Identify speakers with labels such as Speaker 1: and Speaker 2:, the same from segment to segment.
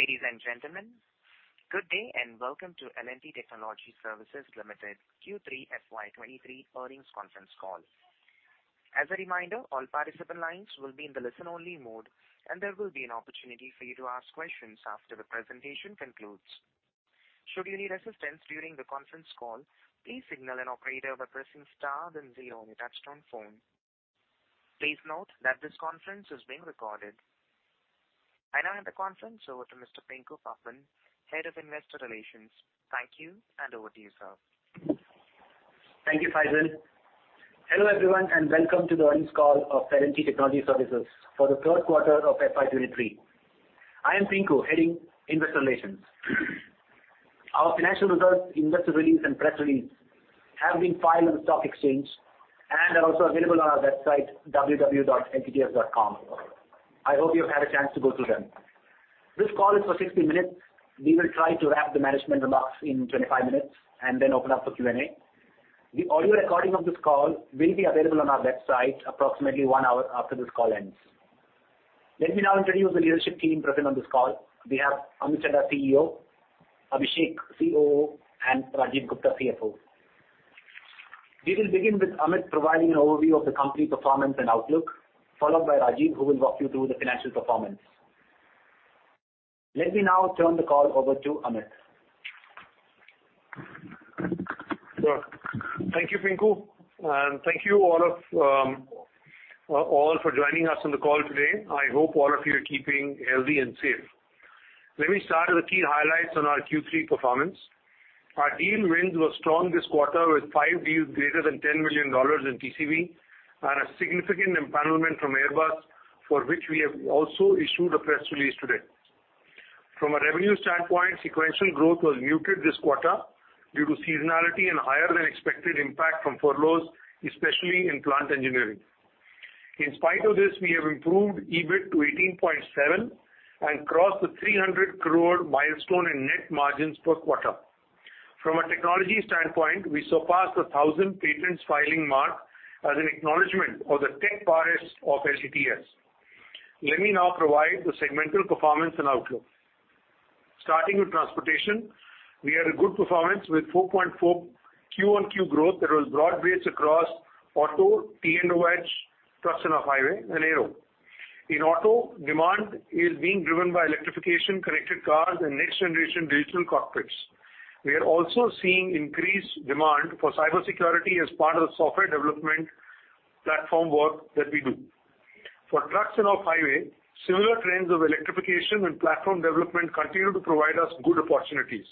Speaker 1: Ladies and gentlemen, good day, welcome to L&T Technology Services Limited Q3 FY 2023 earnings conference call. As a reminder, all participant lines will be in the listen-only mode, there will be an opportunity for you to ask questions after the presentation concludes. Should you need assistance during the conference call, please signal an operator by pressing star then zero on your touchtone phone. Please note that this conference is being recorded. I now hand the conference over to Mr. Pinku Pappan, Head of Investor Relations. Thank you, over to you, sir.
Speaker 2: Thank you, Faizan. Hello, everyone, and welcome to the earnings call of L&T Technology Services for the third quarter of FY 2023. I am Pinku, heading investor relations. Our financial results, investor release and press release have been filed in the stock exchange and are also available on our website, www.ltts.com. I hope you have had a chance to go through them. This call is for 60 minutes. We will try to wrap the management remarks in 25 minutes and then open up for Q&A. The audio recording of this call will be available on our website approximately 1 hour after this call ends. Let me now introduce the leadership team present on this call. We have Amit Chadha, CEO, Abhishek, COO, and Rajeev Gupta, CFO. We will begin with Amit providing an overview of the company performance and outlook, followed by Rajeev, who will walk you through the financial performance. Let me now turn the call over to Amit.
Speaker 3: Sure. Thank you, Pinku, thank you all of all for joining us on the call today. I hope all of you are keeping healthy and safe. Let me start with the key highlights on our Q3 performance. Our deal wins were strong this quarter with five deals greater than $10 million in TCV and a significant empanelment from Airbus, for which we have also issued a press release today. From a revenue standpoint, sequential growth was muted this quarter due to seasonality and higher than expected impact from furloughs, especially in plant engineering. In spite of this, we have improved EBIT to 18.7% and crossed the 300 crore milestone in net margins per quarter. From a technology standpoint, we surpassed the 1,000 patents filing mark as an acknowledgement of the tech prowess of LTTS. Let me now provide the segmental performance and outlook. Starting with transportation, we had a good performance with 4.4% Q-on-Q growth that was broad-based across auto, T&OH, trucks and off-highway and aero. In auto, demand is being driven by electrification, connected cars and next generation digital cockpits. We are also seeing increased demand for cybersecurity as part of the software development platform work that we do. For trucks and off-highway, similar trends of electrification and platform development continue to provide us good opportunities.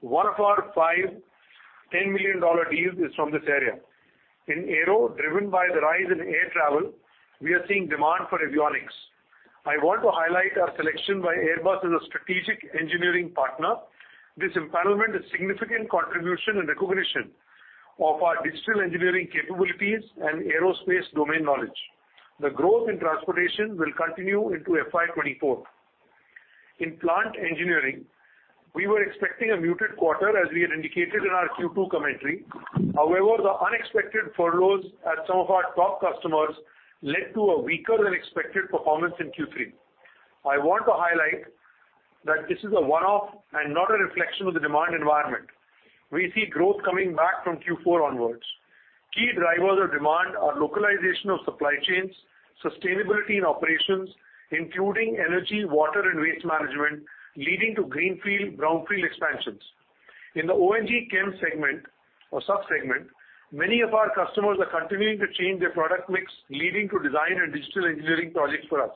Speaker 3: One of our $5 million-$10 million deals is from this area. In aero, driven by the rise in air travel, we are seeing demand for avionics. I want to highlight our selection by Airbus as a strategic engineering partner. This empanelment is significant contribution and recognition of our digital engineering capabilities and aerospace domain knowledge. The growth in transportation will continue into FY 2024. In plant engineering, we were expecting a muted quarter as we had indicated in our Q2 commentary. The unexpected furloughs at some of our top customers led to a weaker than expected performance in Q3. I want to highlight that this is a one-off and not a reflection of the demand environment. We see growth coming back from Q4 onwards. Key drivers of demand are localization of supply chains, sustainability in operations, including energy, water and waste management, leading to greenfield/brownfield expansions. In the O&G chem segment or sub-segment, many of our customers are continuing to change their product mix, leading to design and digital engineering projects for us.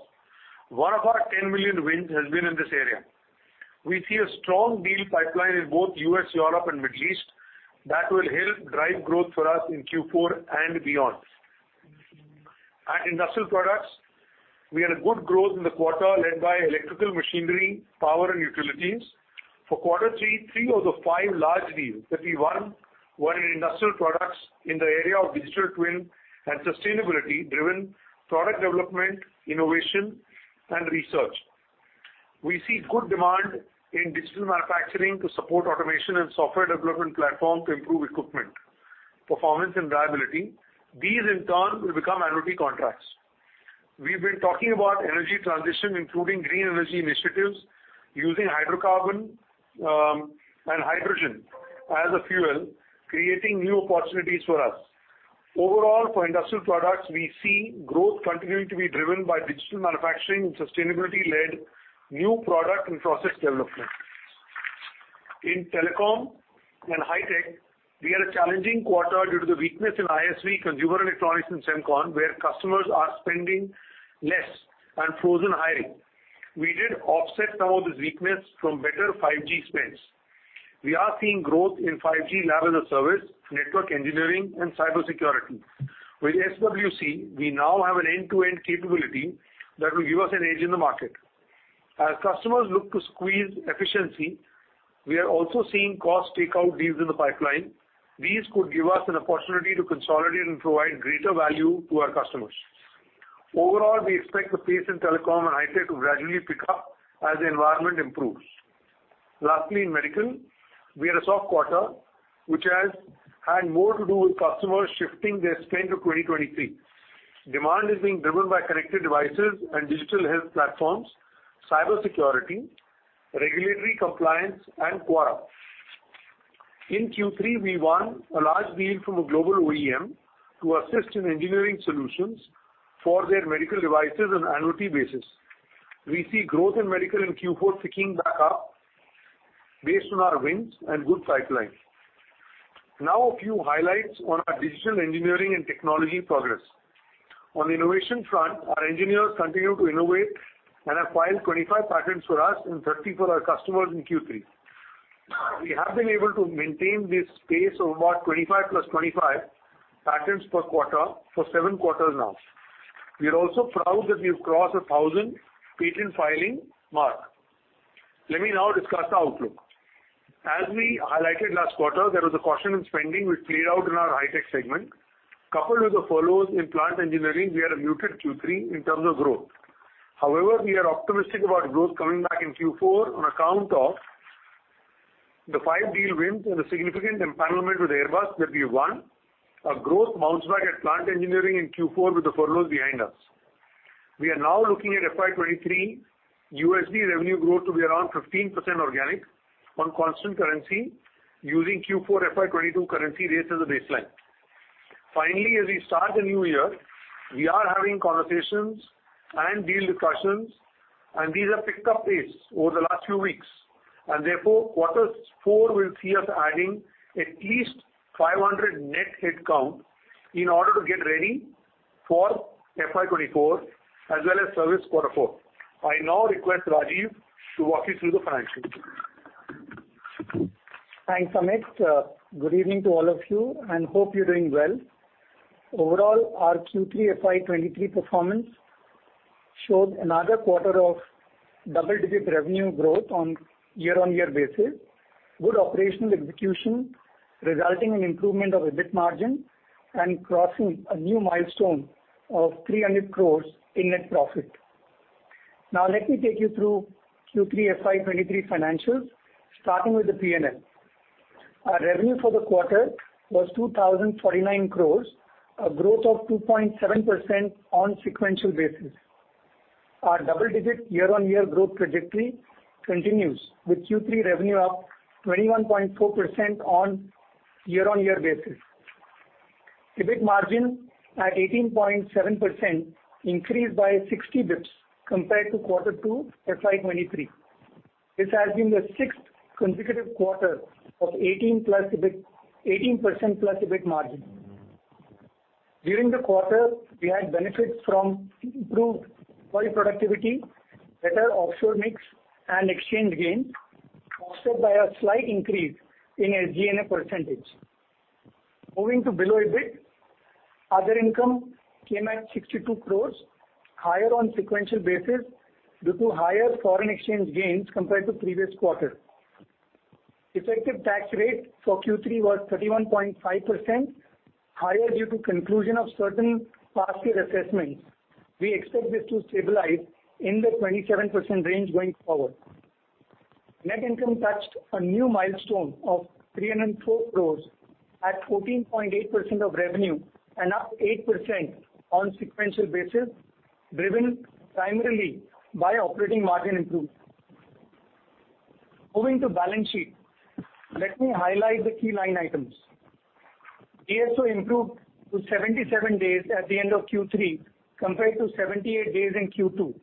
Speaker 3: One of our $10 million wins has been in this area. We see a strong deal pipeline in both U.S., Europe and Middle East that will help drive growth for us in Q4 and beyond. At industrial products, we had a good growth in the quarter led by electrical machinery, power and utilities. For Q3, 3 of the 5 large deals that we won were in industrial products in the area of digital twin and sustainability driven product development, innovation and research. We see good demand in digital manufacturing to support automation and software development platform to improve equipment performance and viability. These in turn will become annuity contracts. We've been talking about energy transition, including green energy initiatives using hydrocarbon and hydrogen as a fuel, creating new opportunities for us. Overall, for industrial products, we see growth continuing to be driven by digital manufacturing and sustainability-led new product and process development. In telecom and high tech, we had a challenging quarter due to the weakness in ISV, consumer electronics and SemCon, where customers are spending less and frozen hiring. We did offset some of this weakness from better 5G spends. We are seeing growth in 5G Lab as a Service, network engineering and cybersecurity. With SWC, we now have an end-to-end capability that will give us an edge in the market. As customers look to squeeze efficiency, we are also seeing cost takeout deals in the pipeline. These could give us an opportunity to consolidate and provide greater value to our customers. Overall, we expect the pace in telecom and Hi-Tech to gradually pick up as the environment improves. Lastly, in medical, we had a soft quarter, which has had more to do with customers shifting their spend to 2023. Demand is being driven by connected devices and digital health platforms, cybersecurity, regulatory compliance, and QARA. In Q3, we won a large deal from a global OEM to assist in engineering solutions for their medical devices on annuity basis. We see growth in medical in Q4 picking back up based on our wins and good pipeline. Now a few highlights on our digital engineering and technology progress. On the innovation front, our engineers continue to innovate and have filed 25 patents for us and 30 for our customers in Q3. We have been able to maintain this pace of about 25 plus 25 patents per quarter for seven quarters now. We are also proud that we've crossed a 1,000 patent filing mark. Let me now discuss the outlook. As we highlighted last quarter, there was a caution in spending which played out in our Hi-Tech segment. Coupled with the furloughs in plant engineering, we had a muted Q3 in terms of growth. However, we are optimistic about growth coming back in Q4 on account of the five deal wins and the significant empanelment with Airbus that we won. Our growth bounced back at plant engineering in Q4 with the furloughs behind us. We are now looking at FY 2023 USD revenue growth to be around 15% organic on constant currency using Q4 FY 2022 currency rates as a baseline. Finally, as we start the new year, we are having conversations and deal discussions, and these have picked up pace over the last few weeks and therefore, quarter four will see us adding at least 500 net headcount in order to get ready for FY 2024 as well as service quarter four. I now request Rajeev to walk you through the financials.
Speaker 4: Thanks, Amit. Good evening to all of you. Hope you're doing well. Overall, our Q3 FY 2023 performance showed another quarter of double-digit revenue growth on a year-over-year basis, good operational execution resulting in improvement of EBIT margin and crossing a new milestone of 300 crore in net profit. Let me take you through Q3 FY 2023 financials, starting with the P&L. Our revenue for the quarter was 2,049 crore, a growth of 2.7% on a sequential basis. Our double-digit year-over-year growth trajectory continues with Q3 revenue up 21.4% on a year-over-year basis. EBIT margin at 18.7% increased by 60 basis points compared to Q2 FY 2023. This has been the sixth consecutive quarter of 18% plus EBIT margin. During the quarter, we had benefits from improved employee productivity, better offshore mix and exchange gain, offset by a slight increase in SG&A %. Moving to below EBIT, other income came at 62 crores, higher on sequential basis due to higher foreign exchange gains compared to previous quarter. Effective tax rate for Q3 was 31.5%, higher due to conclusion of certain past year assessments. We expect this to stabilize in the 27% range going forward. Net income touched a new milestone of 304 crores at 14.8% of revenue and up 8% on sequential basis, driven primarily by operating margin improvement. Moving to balance sheet, let me highlight the key line items. DSO improved to 77 days at the end of Q3 compared to 78 days in Q2.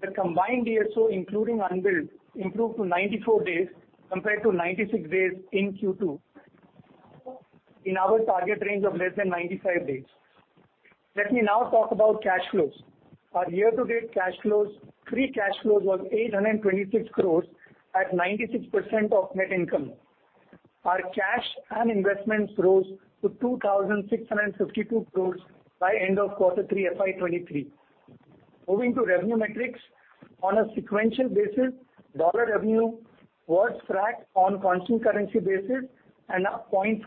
Speaker 4: The combined DSO, including unbilled, improved to 94 days compared to 96 days in Q2. In our target range of less than 95 days. Let me now talk about cash flows. Our year-to-date cash flows, free cash flows was 826 crores at 96% of net income. Our cash and investments rose to 2,652 crores by end of Q3 FY 2023. Moving to revenue metrics. On a sequential basis, dollar revenue was flat on constant currency basis and up 0.4%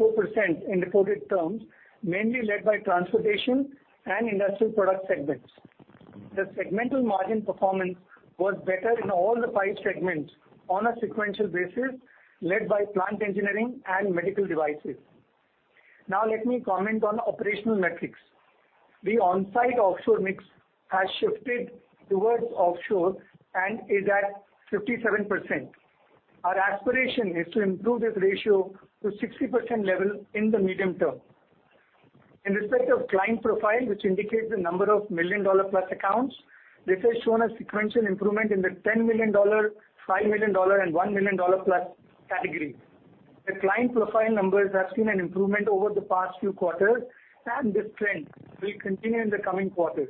Speaker 4: in reported terms, mainly led by transportation and industrial product segments. The segmental margin performance was better in all the five segments on a sequential basis led by plant engineering and medical devices. Now let me comment on operational metrics. The onsite offshore mix has shifted towards offshore and is at 57%. Our aspiration is to improve this ratio to 60% level in the medium term. In respect of client profile, which indicates the number of million-dollar plus accounts, this has shown a sequential improvement in the $10 million, $5 million and $1 million plus category. The client profile numbers have seen an improvement over the past few quarters, and this trend will continue in the coming quarters.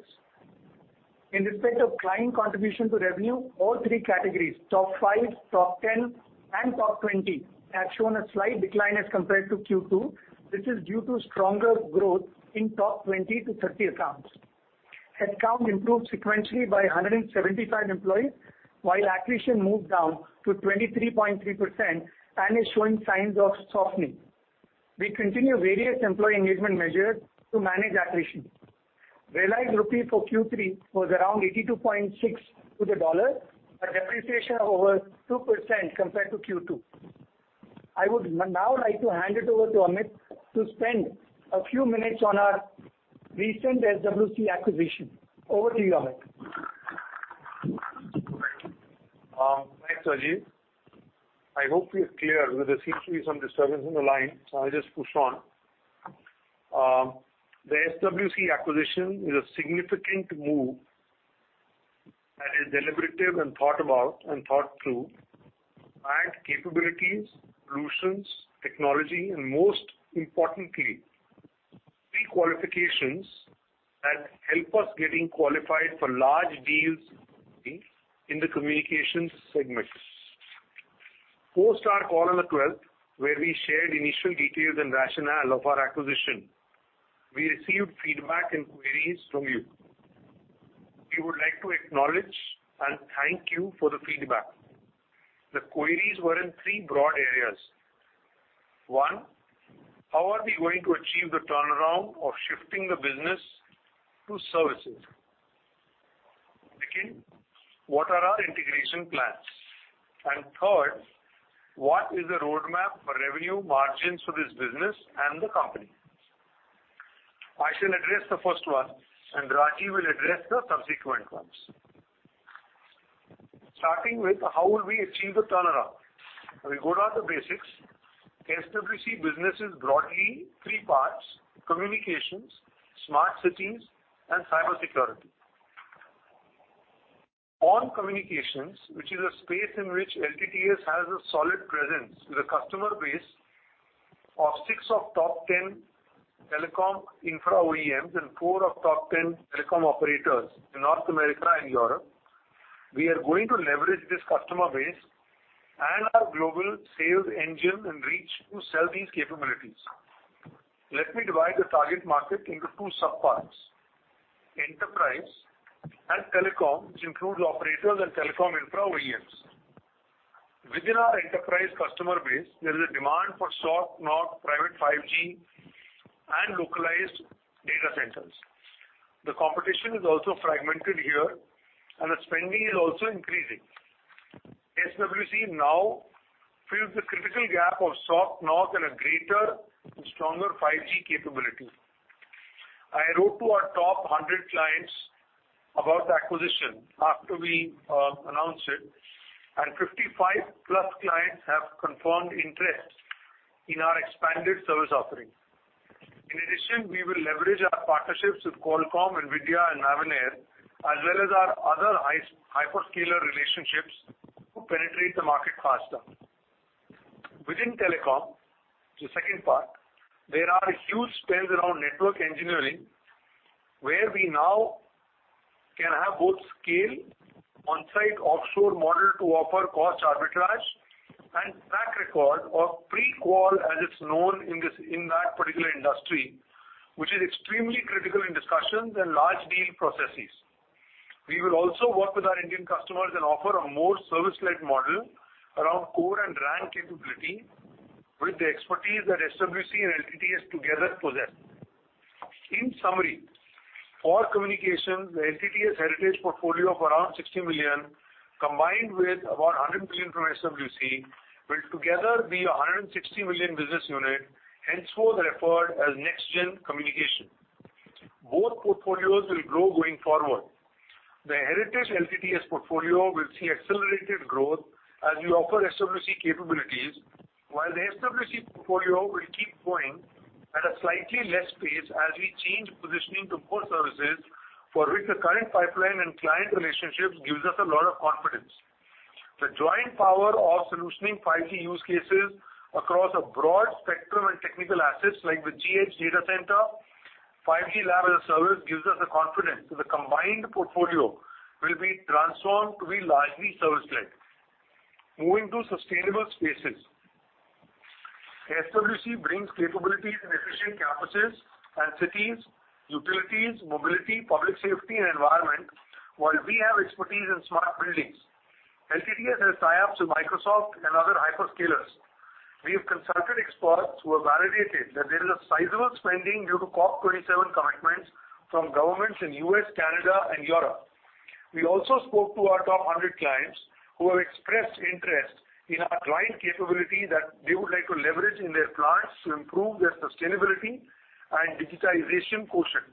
Speaker 4: In respect of client contribution to revenue, all three categories, top five, top ten and top twenty, have shown a slight decline as compared to Q2. This is due to stronger growth in top 20-30 accounts. Headcount improved sequentially by 175 employees, while attrition moved down to 23.3% and is showing signs of softening. We continue various employee engagement measures to manage attrition. Reliance Rupee for Q3 was around 82.6 to the USD, a depreciation of over 2% compared to Q2. I would now like to hand it over to Amit to spend a few minutes on our recent SWC acquisition. Over to you, Amit.
Speaker 3: Thanks, Amit. I hope we are clear. There was a slight issue, some disturbance on the line, I just push on. The SWC acquisition is a significant move that is deliberative and thought about and thought through. Add capabilities, solutions, technology, and most importantly, pre-qualifications that help us getting qualified for large deals in the communications segment. Post our call on the 12th, where we shared initial details and rationale of our acquisition, we received feedback and queries from you. We would like to acknowledge and thank you for the feedback. The queries were in three broad areas. One, how are we going to achieve the turnaround of shifting the business to services? Second, what are our integration plans? Third, what is the roadmap for revenue margins for this business and the company? I shall address the first one. Rajeev will address the subsequent ones. Starting with how will we achieve the turnaround. We go down the basics. SWC business is broadly three parts, communications, smart cities, and cybersecurity. On communications, which is a space in which LTTS has a solid presence with a customer base of six of top 10 telecom infra OEMs and four of top 10 telecom operators in North America and Europe, we are going to leverage this customer base and our global sales engine and reach to sell these capabilities. Let me divide the target market into two sub-parts, enterprise and telecom, which include operators and telecom infra OEMs. Within our enterprise customer base, there is a demand for SOC, NOC, private 5G, and localized data centers. The competition is also fragmented here. The spending is also increasing. SWC now fills the critical gap of SOC, NOC, and a greater and stronger 5G capability. I wrote to our top 100 clients about the acquisition after we announced it, and 55+ clients have confirmed interest in our expanded service offering. In addition, we will leverage our partnerships with Qualcomm, Nvidia, and Avnet, as well as our other hyperscaler relationships to penetrate the market faster. Within telecom, the second part, there are huge spends around network engineering, where we now can have both scale on-site offshore model to offer cost arbitrage and track record or pre-qual, as it's known in that particular industry, which is extremely critical in discussions and large deal processes. We will also work with our Indian customers and offer a more service-led model around core and RAN capability with the expertise that SWC and LTTS together possess. In summary, for Communications, the LTTS heritage portfolio of around $60 million, combined with about $100 million from SWC, will together be a $160 million business unit, henceforth referred as NextGen Communications. Both portfolios will grow going forward. The heritage LTTS portfolio will see accelerated growth as we offer SWC capabilities, while the SWC portfolio will keep growing at a slightly less pace as we change positioning to core services for which the current pipeline and client relationships gives us a lot of confidence. The joint power of solutioning 5G use cases across a broad spectrum and technical assets like the GH Data Center, 5G Lab as a Service, gives us the confidence that the combined portfolio will be transformed to be largely service-led. Moving to sustainable spaces. SWC brings capabilities in efficient campuses and cities, utilities, mobility, public safety, and environment, while we have expertise in smart buildings. LTTS has tie-ups with Microsoft and other hyperscalers. We have consulted experts who have validated that there is a sizable spending due to COP27 commitments from governments in U.S., Canada, and Europe. We also spoke to our top 100 clients, who have expressed interest in our client capability that they would like to leverage in their clients to improve their sustainability and digitization quotient.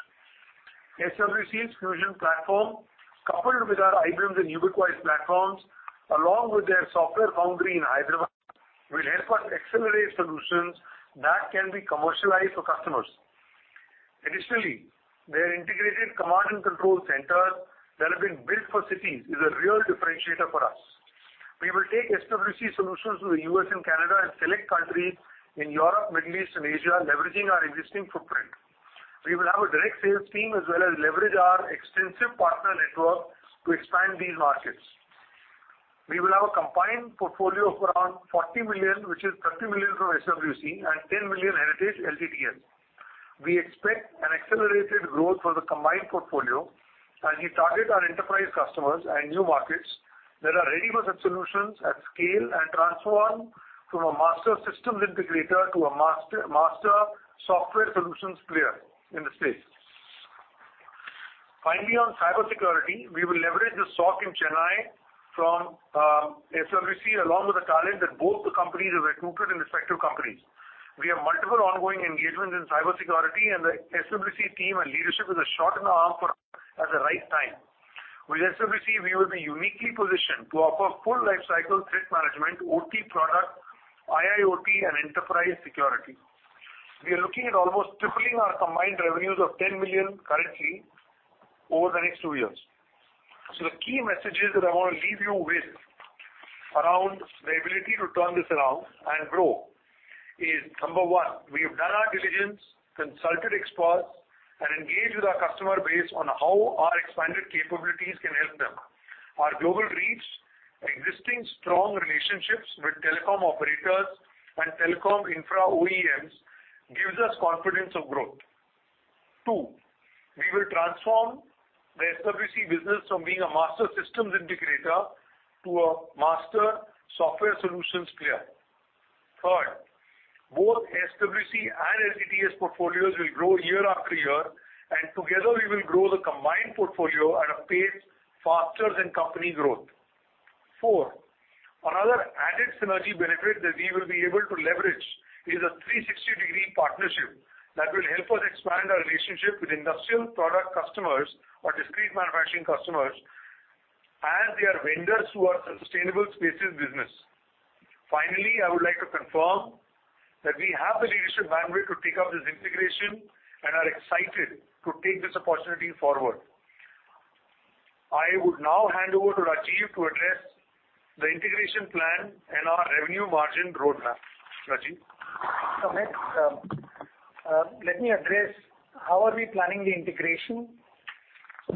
Speaker 3: SWC's Fusion platform, coupled with our IBM's and Ubiquiti's platforms, along with their software foundry in Hyderabad, will help us accelerate solutions that can be commercialized for customers. Their integrated command and control center that have been built for cities is a real differentiator for us. We will take SWC solutions to the U.S. and Canada and select countries in Europe, Middle East, and Asia, leveraging our existing footprint. We will have a direct sales team, as well as leverage our extensive partner network to expand these markets. We will have a combined portfolio of around $40 million, which is $30 million from SWC and $10 million heritage LTTS. We expect an accelerated growth for the combined portfolio as we target our enterprise customers and new markets that are ready for such solutions at scale and transform from a master systems integrator to a master software solutions player in the space. On cybersecurity, we will leverage the SOC in Chennai from SWC along with the talent that both the companies have recruited in respective companies. We have multiple ongoing engagements in cybersecurity and the SWC team and leadership is a shot in the arm for us at the right time. With SWC, we will be uniquely positioned to offer full lifecycle threat management, OT product, IIoT and enterprise security. We are looking at almost tripling our combined revenues of 10 million currently over the next two years. The key messages that I want to leave you with around the ability to turn this around and grow is, number one, we have done our diligence, consulted experts, and engaged with our customer base on how our expanded capabilities can help them. Our global reach, existing strong relationships with telecom operators and telecom infra OEMs gives us confidence of growth. Two, we will transform the SWC business from being a master systems integrator to a master software solutions player. Both SWC and LTTS portfolios will grow year after year, and together we will grow the combined portfolio at a pace faster than company growth. Another added synergy benefit that we will be able to leverage is a 360 degree partnership that will help us expand our relationship with industrial product customers or discrete manufacturing customers as they are vendors who are sustainable spaces business. I would like to confirm that we have the leadership bandwidth to take up this integration and are excited to take this opportunity forward. I would now hand over to Rajeev to address the integration plan and our revenue margin roadmap. Rajeev?
Speaker 4: Amit, let me address how are we planning the integration.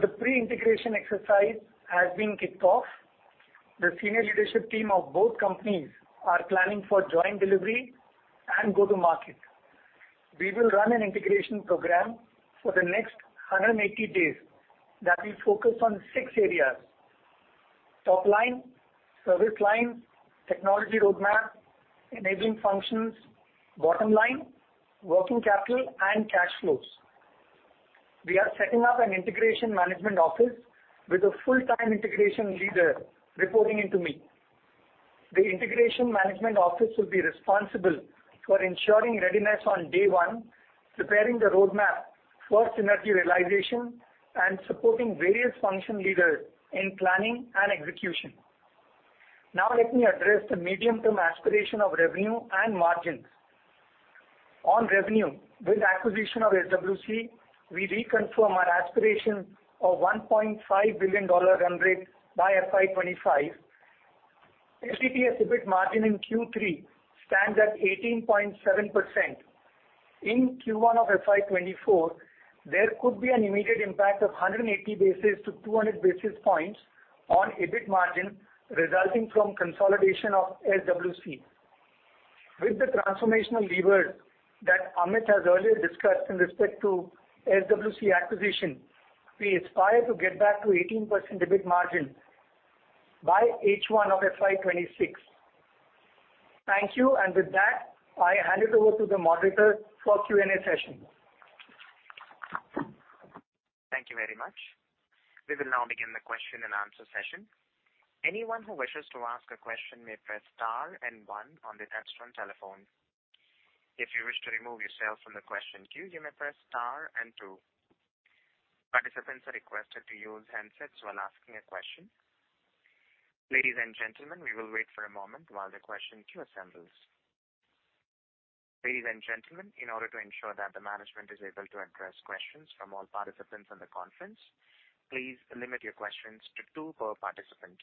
Speaker 4: The pre-integration exercise has been kicked off. The senior leadership team of both companies are planning for joint delivery and go to market. We will run an integration program for the next 180 days that will focus on six areas: top line, service line, technology roadmap, enabling functions, bottom line, working capital and cash flows. We are setting up an integration management office with a full-time integration leader reporting into me. The integration management office will be responsible for ensuring readiness on day one, preparing the roadmap for synergy realization, and supporting various function leaders in planning and execution. Let me address the medium-term aspiration of revenue and margins. On revenue, with acquisition of SWC, we reconfirm our aspiration of a $1.5 billion run rate by FY 2025. SWC EBIT margin in Q3 stands at 18.7%. In Q1 of FY 2024, there could be an immediate impact of 180 basis to 200 basis points on EBIT margin resulting from consolidation of SWC. With the transformational levers that Amit has earlier discussed in respect to SWC acquisition, we aspire to get back to 18% EBIT margin by H1 of FY 2026. Thank you. With that, I hand it over to the moderator for Q&A session.
Speaker 1: Thank you very much. We will now begin the question and answer session. Anyone who wishes to ask a question may press star one on the touchtone telephone. If you wish to remove yourself from the question queue, you may press star two. Participants are requested to use handsets while asking a question. Ladies and gentlemen, we will wait for a moment while the question queue assembles. Ladies and gentlemen, in order to ensure that the management is able to address questions from all participants on the conference, please limit your questions to two per participant.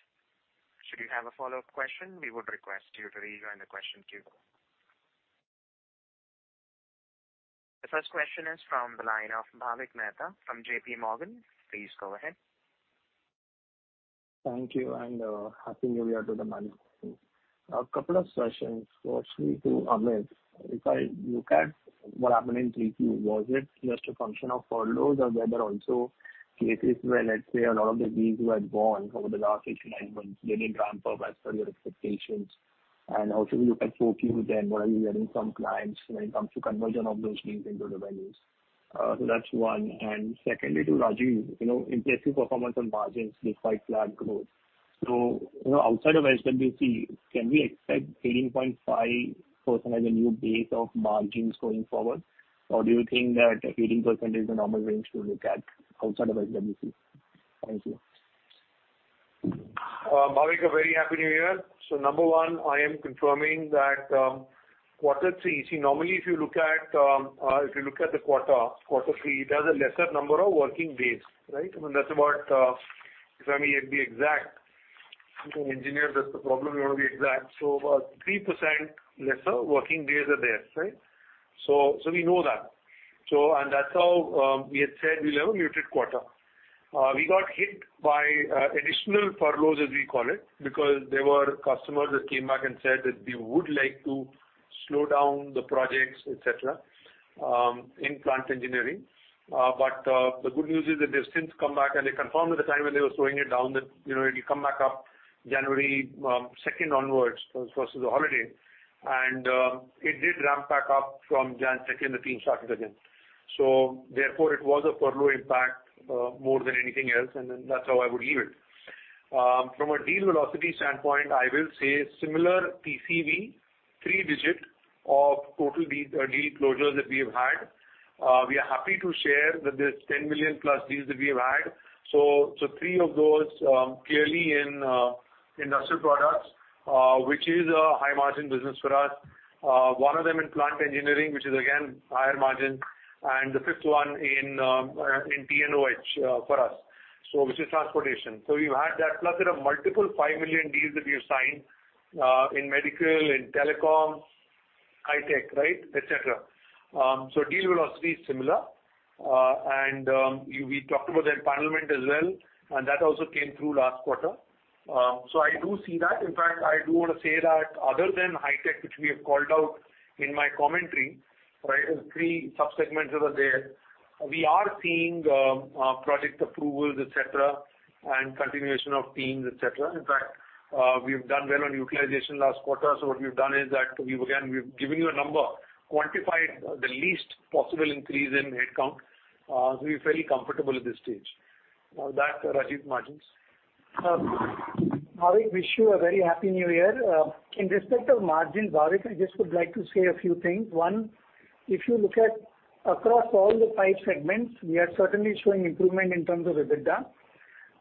Speaker 1: Should you have a follow-up question, we would request you to rejoin the question queue. The first question is from the line of Bhavik Mehta from JP Morgan. Please go ahead.
Speaker 5: Thank you, and happy New Year to the management team. A couple of questions. Firstly, to Amit. If I look at what happened in Q3, was it just a function of furloughs or were there also cases where, let's say, a lot of the deals who had gone over the last 18-9 months, they didn't ramp up as per your expectations? Also if you look at 4Q, what are you hearing from clients when it comes to conversion of those leads into revenues? So that's one. Secondly, to Rajeev, you know, impressive performance on margins despite flat growth. You know, outside of SWC, can we expect 18.5% as a new base of margins going forward? Or do you think that 18% is the normal range to look at outside of SWC? Thank you.
Speaker 3: Bhavik, a very happy new year. Number one, I am confirming that quarter three. See, normally, if you look at the quarter three, there's a lesser number of working days, right? I mean, that's about, if I may be exact, I'm an engineer, that's the problem, you want to be exact. About 3% lesser working days are there, right? We know that. That's how we had said we'll have a muted quarter. We got hit by additional furloughs, as we call it, because there were customers that came back and said that they would like to slow down the projects, et cetera, in plant engineering. The good news is that they've since come back, and they confirmed at the time when they were slowing it down that it'll come back up January 2nd onwards, because versus the holiday. It did ramp back up from January 2nd, the team started again. Therefore, it was a furlough impact more than anything else, that's how I would leave it. From a deal velocity standpoint, I will say similar PCV, three digit of total de-deal closures that we have had. We are happy to share that there's $10 million-plus deals that we have had. Three of those clearly in industrial products, which is a high margin business for us. One of them in plant engineering, which is again, higher margin. The fifth one in T&OH for us, which is transportation. You had that plus there are multiple $5 million deals that we have signed in medical, in telecom, Hi-Tech, right, et cetera. Deal velocity is similar. We talked about the empanelment as well, and that also came through last quarter. I do see that. In fact, I do wanna say that other than Hi-Tech, which we have called out in my commentary, right, those three sub-segments that are there, we are seeing project approvals, et cetera, and continuation of teams, et cetera. In fact, we've done well on utilization last quarter. What we've done is that we've given you a number, quantified the least possible increase in headcount. We're fairly comfortable at this stage. With that, Rajeev, margins.
Speaker 4: Bhavit, wish you a very happy New Year. In respect of margins, Bhavit, I just would like to say a few things. One, if you look at across all the five segments, we are certainly showing improvement in terms of EBITDA.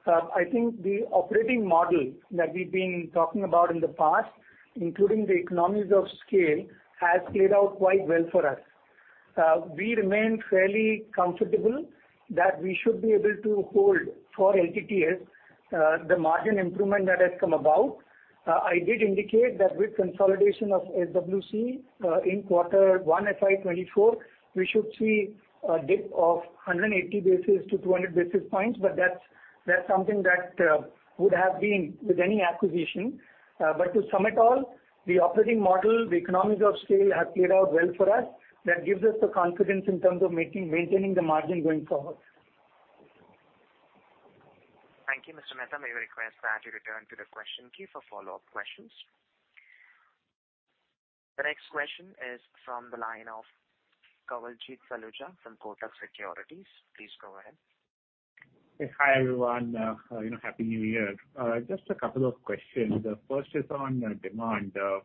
Speaker 4: I think the operating model that we've been talking about in the past, including the economies of scale, has played out quite well for us. We remain fairly comfortable that we should be able to hold for Hi-Tech the margin improvement that has come about. I did indicate that with consolidation of SWC in Q1 FY 2024, we should see a dip of 180 basis points-200 basis points, but that's something that would have been with any acquisition. To sum it all, the operating model, the economics of scale have played out well for us. That gives us the confidence in terms of maintaining the margin going forward.
Speaker 1: Thank you, Mr. Mehta. May we request that you return to the question queue for follow-up questions. The next question is from the line of Kawaljeet Saluja from Kotak Securities. Please go ahead.
Speaker 6: Hi, everyone. you know, Happy New Year. Just a couple of questions. The first is on demand. you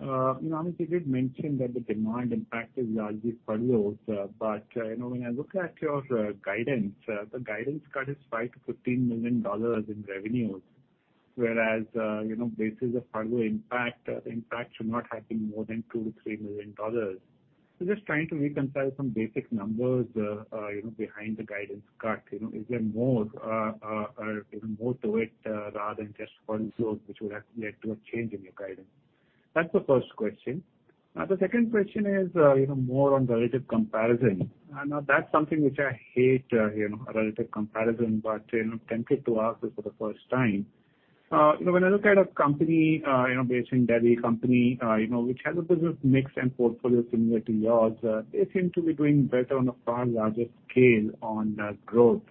Speaker 6: know, Amit, you did mention that the demand impact is largely furloughs, but, you know, when I look at your guidance, the guidance cut is $5 million-$15 million in revenues, whereas, you know, basis of furlough impact, the impact should not have been more than $2 million-$3 million. Just trying to reconcile some basic numbers, you know, behind the guidance cut. You know, is there more, you know, more to it, rather than just furloughs which would have led to a change in your guidance? That's the first question. The second question is, you know, more on relative comparison. I know that's something which I hate, you know, a relative comparison, but, you know, tempted to ask this for the first time. You know, when I look at a company, you know, based in Delhi, company, you know, which has a business mix and portfolio similar to yours, they seem to be doing better on a far larger scale on growth.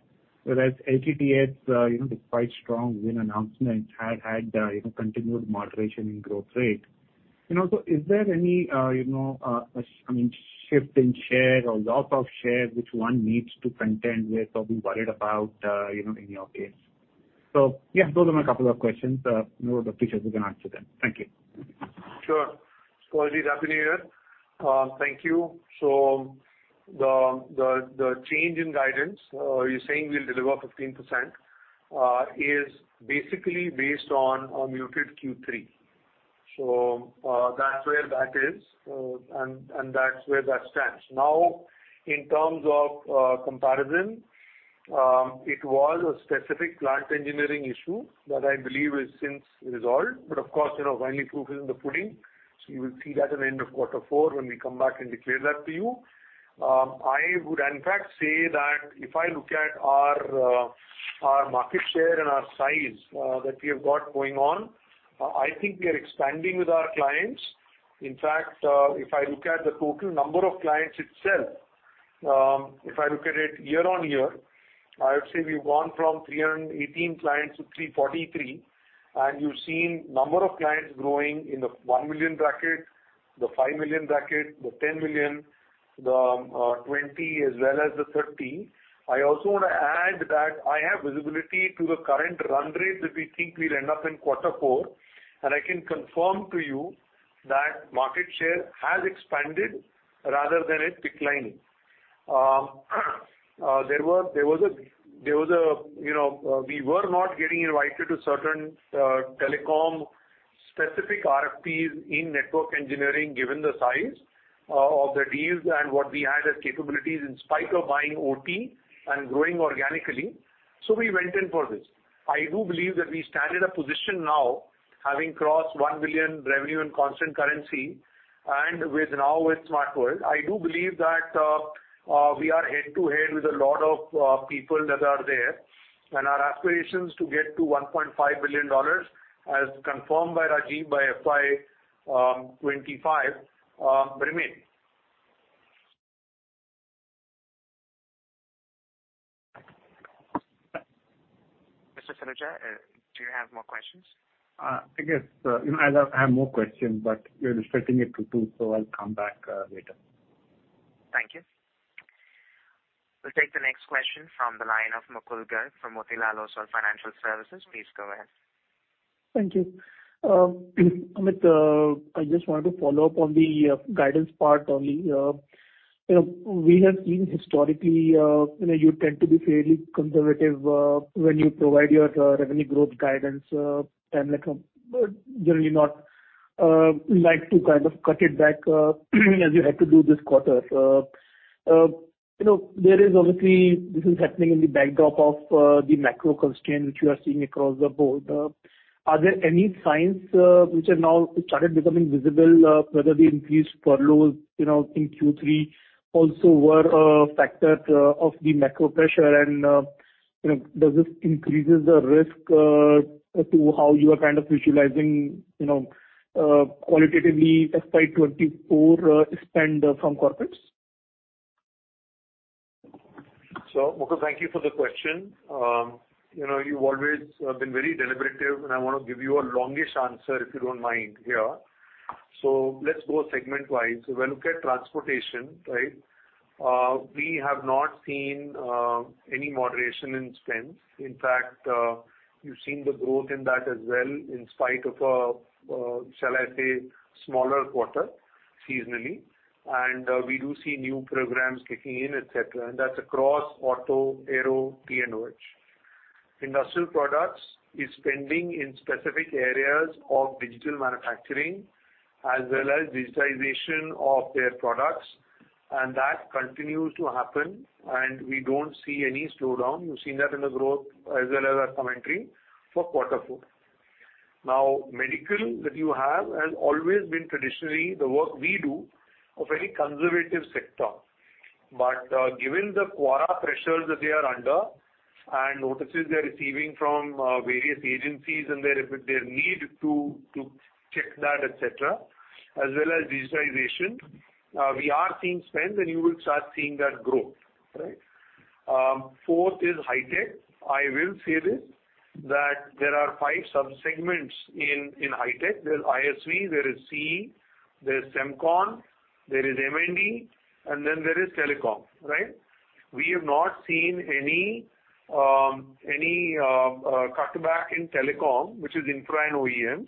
Speaker 6: Whereas Hi-Tech, you know, despite strong win announcement, had, you know, continued moderation in growth rate. You know, is there any, you know, I mean, shift in share or loss of share which one needs to contend with or be worried about, you know, in your case? Yeah, those are my couple of questions. You know, the features, you can answer them. Thank you.
Speaker 3: Sure. Kawaljeet, Happy New Year. Thank you. The change in guidance, you're saying we'll deliver 15%, is basically based on a muted Q3. That's where that is, and that's where that stands. Now, in terms of comparison, it was a specific plant engineering issue that I believe is since resolved. Of course, you know, finally proof is in the pudding. You will see that at end of Q4 when we come back and declare that to you. I would in fact say that if I look at our market share and our size that we have got going on, I think we are expanding with our clients. In fact, if I look at the total number of clients itself, if I look at it year-over-year, I would say we've gone from 318 clients-343 clients, and you've seen number of clients growing in the 1 million bracket, the 5 million bracket, the 10 million, 20 million as well as the 30 million. I also wanna add that I have visibility to the current run rate that we think we'll end up in quarter four, and I can confirm to you that market share has expanded rather than it declining. There was a, you know, we were not getting invited to certain telecom specific RFPs in network engineering, given the size of the deals and what we had as capabilities in spite of buying OT and growing organically. We went in for this. I do believe that we stand in a position now, having crossed $1 billion revenue in constant currency and with SmartWorld, I do believe that we are head to head with a lot of people that are there, and our aspirations to get to $1.5 billion, as confirmed by Rajeev, by FY 2025, remain.
Speaker 1: Mr. Sinha, do you have more questions?
Speaker 6: I guess, you know, I have more questions, but you're restricting it to two, so I'll come back, later.
Speaker 1: Thank you. We'll take the next question from the line of Mukul Garg from Motilal Oswal Financial Services. Please go ahead.
Speaker 7: Thank you. Amit, I just wanted to follow up on the guidance part only. You know, we have seen historically, you know, you tend to be fairly conservative when you provide your revenue growth guidance, and like, generally not like to kind of cut it back as you had to do this quarter. You know, there is obviously this is happening in the backdrop of the macro constraint which you are seeing across the board. Are there any signs which have now started becoming visible, whether the increased furloughs, you know, in Q3 also were a factor of the macro pressure? You know, does this increases the risk to how you are kind of visualizing, you know, qualitatively FY 2024 spend from corporates?
Speaker 3: Mukul, thank you for the question. You know, you've always been very deliberative, and I wanna give you a longish answer, if you don't mind here. Let's go segment wise. When we look at transportation, right, we have not seen any moderation in spends. In fact, you've seen the growth in that as well, in spite of, shall I say, smaller quarter seasonally. We do see new programs kicking in, et cetera. That's across auto, aero, T&OH. Industrial products is spending in specific areas of digital manufacturing as well as digitization of their products. That continues to happen and we don't see any slowdown. You've seen that in the growth as well as our commentary for quarter four. Medical that you have has always been traditionally the work we do, a very conservative sector. Given the QARA pressures that they are under and notices they're receiving from various agencies and their need to check that, et cetera, as well as digitization, we are seeing spends and you will start seeing that growth, right? Fourth is Hi-Tech. I will say this, that there are five sub-segments in Hi-Tech. There's ISV, there is CE, there's SemCon, there is M&D, and then there is telecom, right? We have not seen any cutback in telecom, which is infra and OEMs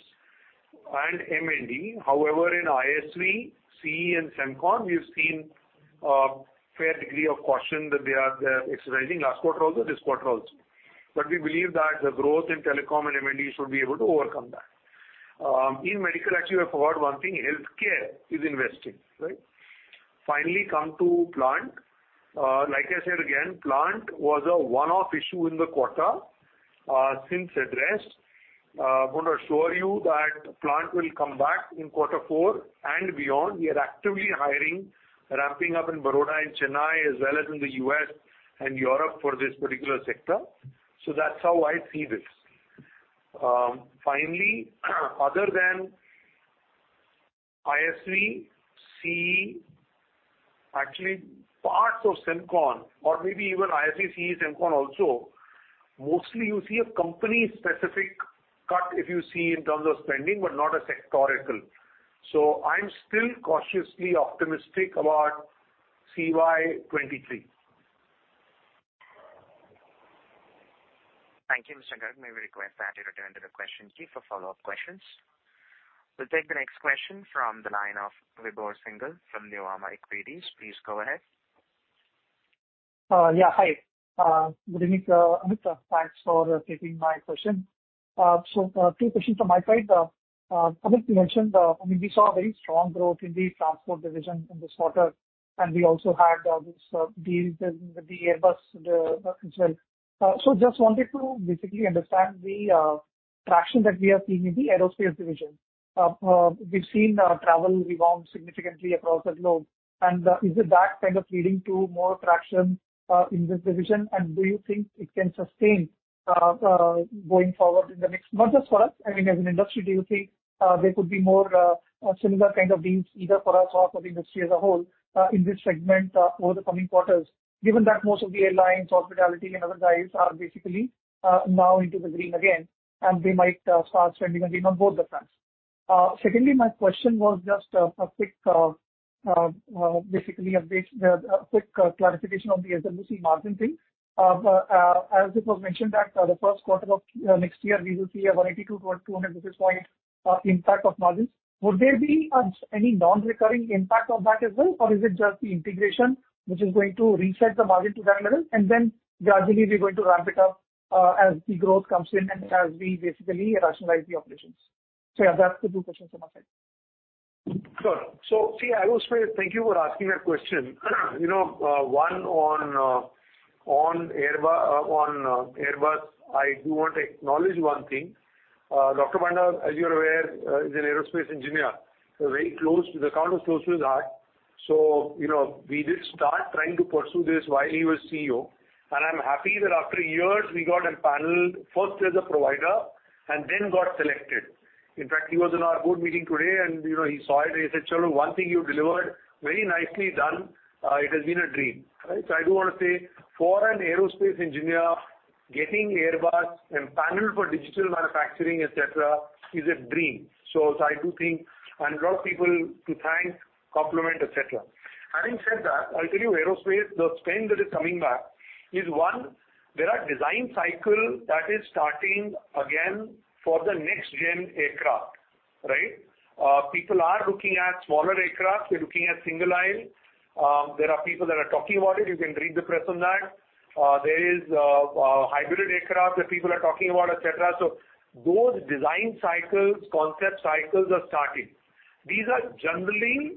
Speaker 3: and M&D. However, in ISV, CE and SemCon, we have seen a fair degree of caution that they're exercising last quarter also, this quarter also. We believe that the growth in telecom and M&D should be able to overcome that. In Medical, actually, I forgot one thing, healthcare is investing, right? Come to Plant. Like I said again, Plant was a one-off issue in the quarter, since addressed. I wanna assure you that Plant will come back in quarter four and beyond. We are actively hiring, ramping up in Baroda and Chennai as well as in the U.S. and Europe for this particular sector. That's how I see this. Other than ISV, CE, actually parts of SemCon or maybe even ISV, CE, SemCon also, mostly you see a company specific cut if you see in terms of spending, but not a sectoral. I'm still cautiously optimistic about CY 2023.
Speaker 1: Thank you. Mr. Garg. May we request that you return to the question queue for follow-up questions. We'll take the next question from the line of Vibhor Singhal from Nuvama Equities. Please go ahead.
Speaker 8: Yeah, hi. Good evening, Amit. Thanks for taking my question. Two questions from my side. Amit, you mentioned, I mean, we saw a very strong growth in the transport division in this quarter, and we also had this deals with the Airbus as well. Just wanted to basically understand the traction that we are seeing in the aerospace division. We've seen travel rebound significantly across the globe. Is it that kind of leading to more traction in this division? Do you think it can sustain going forward, not just for us, I mean, as an industry, do you think there could be more similar kind of deals either for us or for the industry as a whole in this segment over the coming quarters, given that most of the airlines, hospitality and other guys are basically now into the green again, and they might start spending again on both the fronts? Secondly, my question was just a quick basically update, a quick clarification on the SWC margin thing. As it was mentioned that the first quarter of next year we will see a 182-1,200 basis point impact of margins.
Speaker 4: Would there be any non-recurring impact of that as well, or is it just the integration which is going to reset the margin to that level, and then gradually we're going to ramp it up as the growth comes in and as we basically rationalize the operations? Yeah, that's the two questions from my side.
Speaker 3: Sure. See, I will say thank you for asking that question. You know, one on Airbus, I do want to acknowledge one thing. Dr. Panda, as you're aware, is an aerospace engineer, so very kind of close to his heart. You know, we did start trying to pursue this while he was CEO, and I'm happy that after years we got empaneled first as a provider and then got selected. In fact, he was in our board meeting today, and, you know, he saw it. He said, "Chadha, one thing you delivered, very nicely done. It has been a dream." Right? I do wanna say, for an aerospace engineer, getting Airbus and panel for digital manufacturing, et cetera, is a dream. I do think and lot of people to thank, compliment, et cetera. Having said that, I'll tell you, aerospace, the spend that is coming back is, one, there are design cycle that is starting again for the next-gen aircraft, right? People are looking at smaller aircraft. They're looking at single aisle. There are people that are talking about it. You can read the press on that. There is hybrid aircraft that people are talking about, et cetera. Those design cycles, concept cycles are starting. These are generally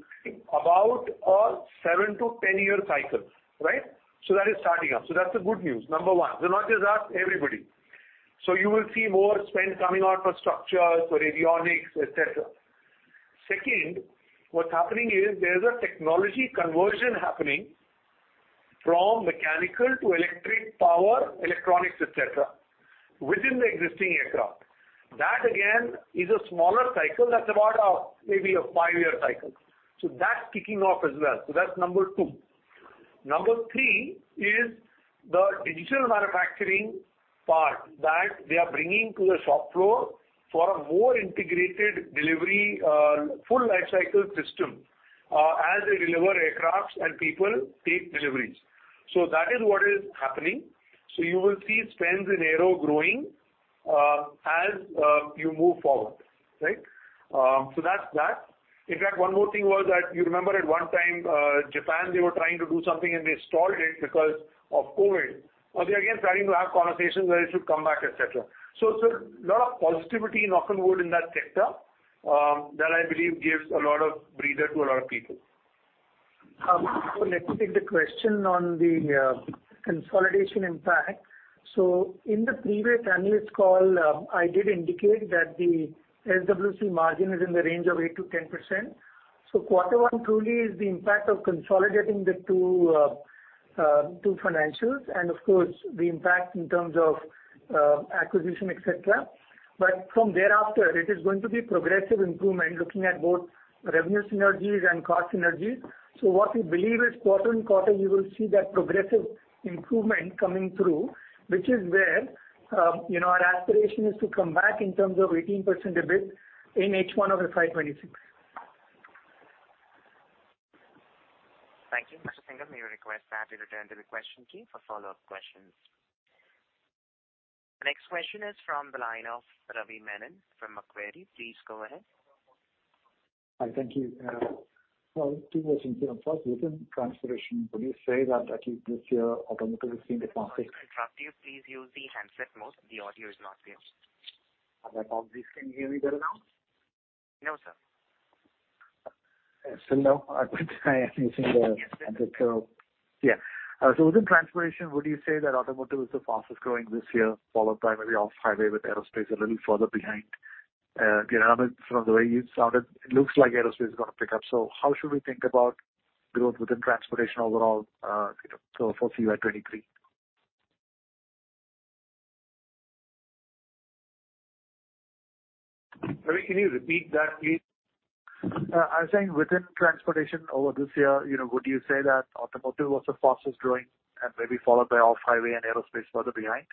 Speaker 3: about a 7-10 year cycle, right? That is starting up. That's the good news, number one. Not just us, everybody. You will see more spend coming out for structures, for avionics, et cetera. 2nd, what's happening is there's a technology conversion happening from mechanical to electric power, electronics, et cetera, within the existing aircraft. That, again, is a smaller cycle. That's about maybe a five-year cycle. That's kicking off as well. That's number two. Number three is the digital manufacturing part that they are bringing to the shop floor for a more integrated delivery, full lifecycle system, as they deliver aircraft and people take deliveries. That is what is happening. You will see spends in aero growing as you move forward, right? That's that. In fact, one more thing was that you remember at one time, Japan, they were trying to do something, and they stalled it because of COVID. They're again starting to have conversations where it should come back, et cetera. Lot of positivity, knock on wood, in that sector, that I believe gives a lot of breather to a lot of people.
Speaker 4: Let me take the question on the consolidation impact. In the previous analyst call, I did indicate that the SWC margin is in the range of 8%-10%. Q1 truly is the impact of consolidating the two financials and of course the impact in terms of acquisition, et cetera. From thereafter, it is going to be progressive improvement, looking at both revenue synergies and cost synergies. What we believe is quarter and quarter, you will see that progressive improvement coming through, which is where, you know, our aspiration is to come back in terms of 18% EBIT in H1 of FY 2026.
Speaker 1: Thank you. Mr. Singhal, may I request that you return to the question queue for follow-up questions. Next question is from the line of Ravi Menon from Macquarie. Please go ahead.
Speaker 9: Hi. Thank you. Two questions. You know, first, within transportation, would you say that this year automotive is seeing the fastest-
Speaker 1: Sir, I interrupt you. Please use the handset mode. The audio is not clear.
Speaker 9: On the phone, can you hear me better now?
Speaker 1: No, sir.
Speaker 9: Still no? I am using.
Speaker 1: Yes, yes.
Speaker 9: Yeah. Within transportation, would you say that automotive is the fastest growing this year, followed primarily off highway with aerospace a little further behind? You know, Amit, from the way you sounded, it looks like aerospace is gonna pick up. How should we think about growth within transportation overall, you know, for CY 2023?
Speaker 3: Ravi, can you repeat that, please?
Speaker 9: I was saying within transportation over this year, you know, would you say that automotive was the fastest growing and maybe followed by Off-Highway and aerospace further behind?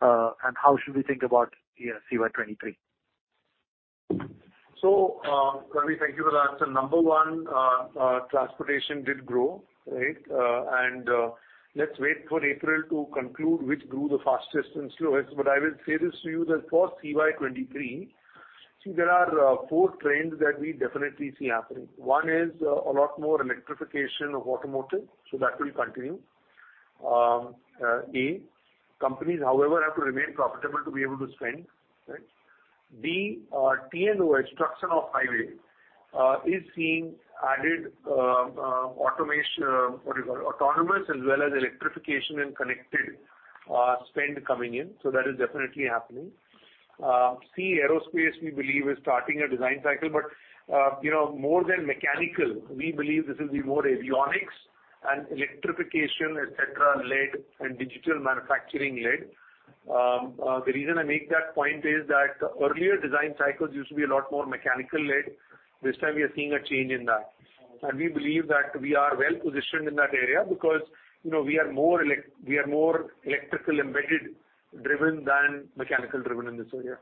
Speaker 9: How should we think about CY 2023?
Speaker 3: Ravi, thank you for that. Number one, transportation did grow, right? Let's wait for April to conclude which grew the fastest and slowest. I will say this to you that for CY 2023, see, there are four trends that we definitely see happening. One is a lot more electrification of automotive, that will continue. A, companies, however, have to remain profitable to be able to spend, right? B, T&OH, structure of highway, is seeing added autonomous as well as electrification and connected spend coming in. That is definitely happening. C, aerospace, we believe, is starting a design cycle, you know, more than mechanical, we believe this will be more avionics and electrification, et cetera, led and digital manufacturing led. The reason I make that point is that earlier design cycles used to be a lot more mechanical led. This time we are seeing a change in that. We believe that we are well-positioned in that area because, you know, we are more electrical embedded driven than mechanical driven in this area.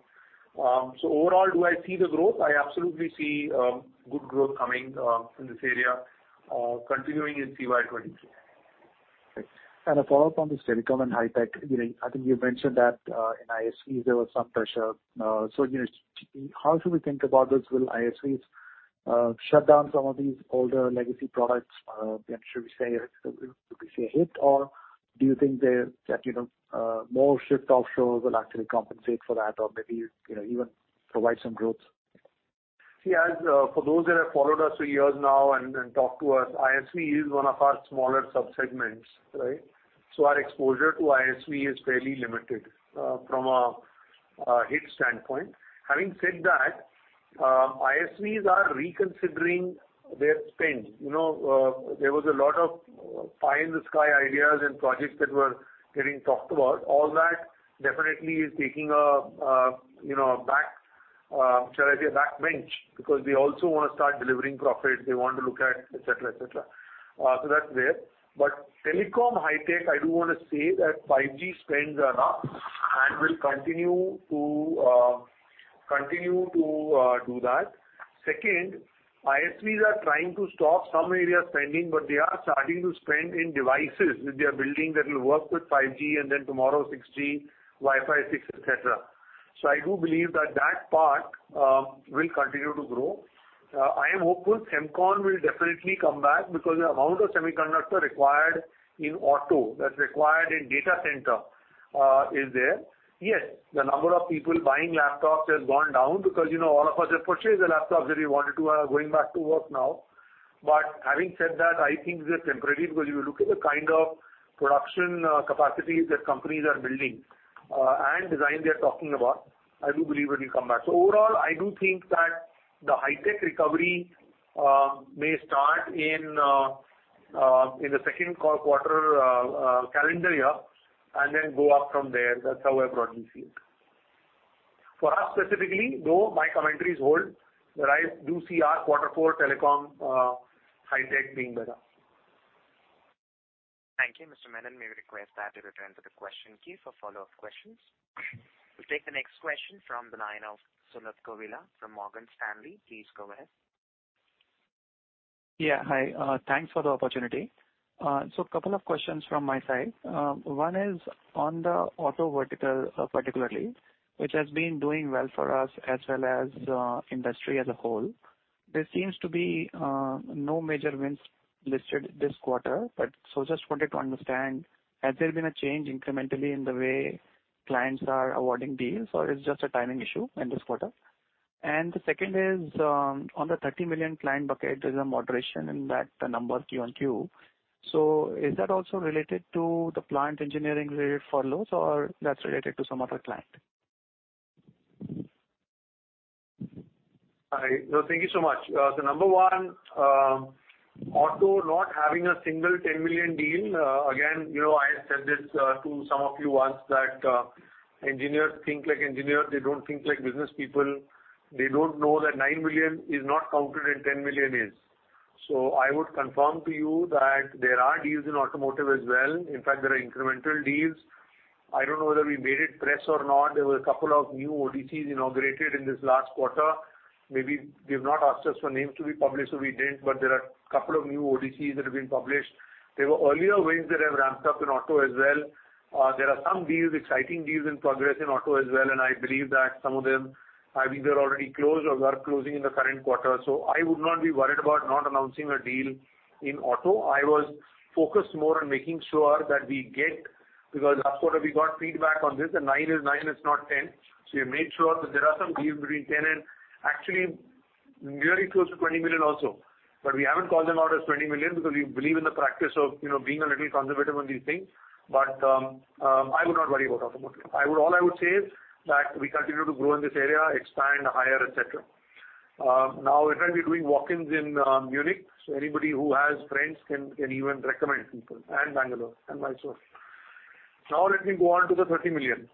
Speaker 3: Overall, do I see the growth? I absolutely see, good growth coming, in this area, continuing in CY 2023.
Speaker 9: Great. A follow-up on this telecom and high tech. You know, I think you mentioned that in ISVs there was some pressure. You know, how should we think about this? Will ISVs shut down some of these older legacy products? You know, do we say a hit? Or do you think there, that, you know, more shift offshore will actually compensate for that or maybe, you know, even provide some growth?
Speaker 3: See, as for those that have followed us for years now and talked to us, ISV is one of our smaller sub-segments, right? Our exposure to ISV is fairly limited from a hit standpoint. Having said that, ISVs are reconsidering their spend. You know, there was a lot of pie in the sky ideas and projects that were getting talked about. All that definitely is taking a, you know, a back seat. Shall I say back bench, because they also wanna start delivering profits. They want to look at et cetera, et cetera. That's there. Telecom, high tech, I do wanna say that 5G spends are up and will continue to continue to do that. ISVs are trying to stop some area spending, but they are starting to spend in devices that they are building that will work with 5G and then tomorrow 6G, Wi-Fi 6, et cetera. I do believe that that part will continue to grow. I am hopeful Semcon will definitely come back because the amount of semiconductor required in auto, that's required in data center, is there. The number of people buying laptops has gone down because, you know, all of us have purchased the laptops that we wanted to, going back to work now. Having said that, I think this is temporary because you look at the kind of production, capacity that companies are building, and design they're talking about, I do believe it will come back. Overall, I do think that the Hi-Tech recovery may start in the second calendar year and then go up from there. That's how I broadly see it. For us specifically, though, my commentary is whole, that I do see our quarter four telecom, Hi-Tech being better.
Speaker 1: Thank you. Mr. Menon, may we request that you return to the question queue for follow-up questions. We'll take the next question from the line of Sulabh Govila from Morgan Stanley. Please go ahead.
Speaker 10: Yeah, hi. Thanks for the opportunity. A couple of questions from my side. One is on the auto vertical, particularly, which has been doing well for us as well as industry as a whole. There seems to be no major wins listed this quarter. Just wanted to understand, has there been a change incrementally in the way clients are awarding deals, or it's just a timing issue in this quarter? The second is, on the $30 million client bucket, there's a moderation in that number Q on Q. Is that also related to the client engineering related furloughs or that's related to some other client?
Speaker 3: Hi. Thank you so much. Number one, auto not having a single $10 million deal. Again, you know, I said this to some of you once that engineers think like engineers, they don't think like business people. They don't know that $9 million is not counted and $10 million is.I would confirm to you that there are deals in automotive as well. In fact, there are incremental deals. I don't know whether we made it press or not. There were a couple of new ODCs inaugurated in this last quarter. Maybe they've not asked us for names to be published, so we didn't. There are a couple of new ODCs that have been published. There were earlier wins that have ramped up in auto as well. There are some deals, exciting deals in progress in auto as well, and I believe that some of them, I mean, they're already closed or are closing in the current quarter. I would not be worried about not announcing a deal in auto. I was focused more on making sure that we get. Last quarter we got feedback on this, the nine is nine, it's not 10. We made sure that there are some deals between 10 and actually nearly close to $20 million also. We haven't called them out as $20 million because we believe in the practice of, you know, being a little conservative on these things. I would not worry about automotive. All I would say is that we continue to grow in this area, expand higher, et cetera. Now in fact we're doing walk-ins in Munich, so anybody who has friends can even recommend people, and Bangalore, and Mysore. Now let me go on to the $30 million.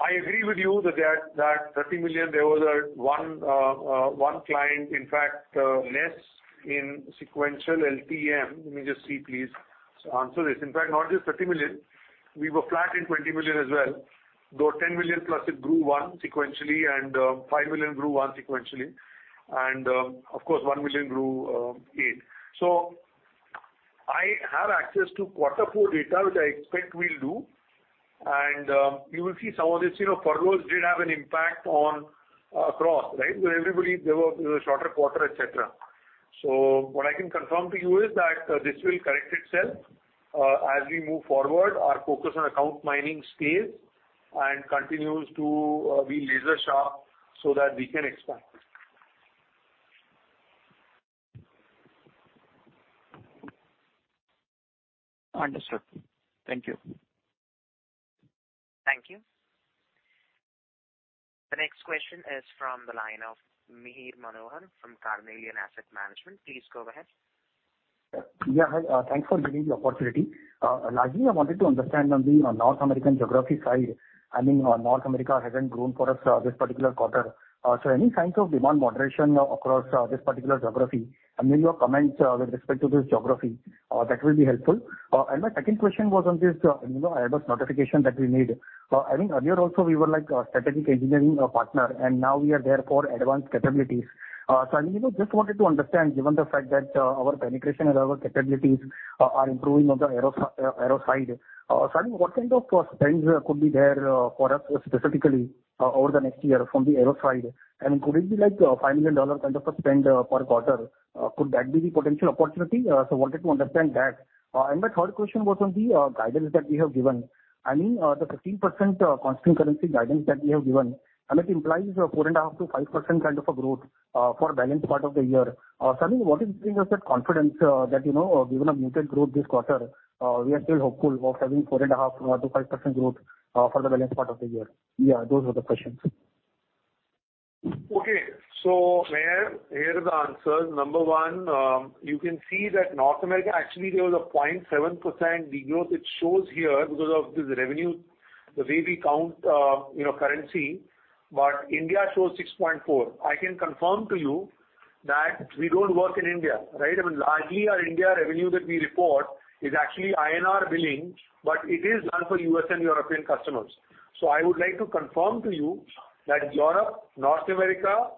Speaker 3: I agree with you that $30 million, there was one client, in fact, less in sequential LTM. Let me just see, please, to answer this. In fact, not just $30 million, we were flat in $20 million as well, though $10 million plus it grew one sequentially and $5 million grew one sequentially. Of course, $1 million grew eight. So I have access to quarter four data, which I expect we'll do. You will see some of this, you know, furloughs did have an impact on across, right? So everybody, there were, it was a shorter quarter, et cetera. What I can confirm to you is that this will correct itself, as we move forward, our focus on account mining stays and continues to be laser sharp so that we can expand.
Speaker 10: Understood. Thank you.
Speaker 1: Thank you. The next question is from the line of Mihir Manohar from Carnelian Asset Management. Please go ahead.
Speaker 11: Yeah, hi. Thanks for giving the opportunity. Largely, I wanted to understand on the North American geography side, I mean, North America hasn't grown for us, this particular quarter. Any signs of demand moderation across this particular geography? Maybe your comments with respect to this geography that will be helpful. My second question was on this, you know, aerospace notification that we made. I mean, earlier also we were like a strategic engineering partner, and now we are there for advanced capabilities. I mean, you know, just wanted to understand, given the fact that our penetration and our capabilities are improving on the aero side. I mean, what kind of spends could be there for us specifically over the next year from the aero side? Could it be like $5 million kind of a spend per quarter? Could that be the potential opportunity? Wanted to understand that. My third question was on the guidance that we have given. I mean, the 15% constant currency guidance that we have given, and it implies 4.5%-5% kind of a growth for balance part of the year. I mean, what is giving us that confidence that, you know, given a muted growth this quarter, we are still hopeful of having 4.5%-5% growth for the balance part of the year? Those were the questions.
Speaker 3: Okay. Mihir, here are the answers. Number one, you can see that North America actually there was a 0.7% de-growth it shows here because of this revenue. The way we count, you know, currency, India shows 6.4%. I can confirm to you that we don't work in India, right? I mean, largely our India revenue that we report is actually INR billing, but it is done for U.S. and European customers. I would like to confirm to you that Europe, North America,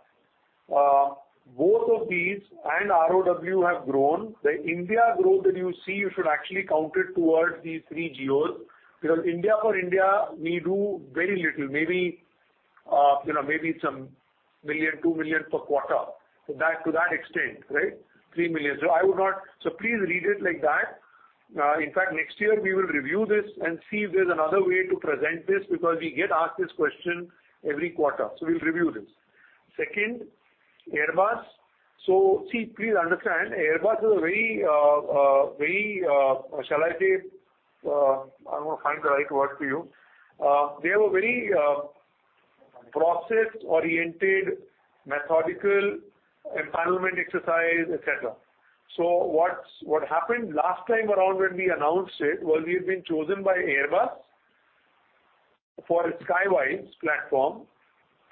Speaker 3: both of these and ROW have grown. The India growth that you see, you should actually count it towards these three geos. India for India, we do very little, maybe, you know, maybe some million, $2 million per quarter, to that extent, right? $3 million. Please read it like that. In fact next year we will review this and see if there's another way to present this because we get asked this question every quarter, so we'll review this. Second, Airbus. See, please understand, Airbus is a very, very, shall I say, I want to find the right word for you. They have a very process-oriented, methodical, empanelment exercise, et cetera. What happened last time around when we announced it, was we have been chosen by Airbus for its Skywise platform,